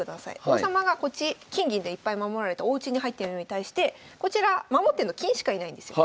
王様がこっち金銀でいっぱい守られたおうちに入ってるのに対してこちら守ってんの金しかいないんですよ。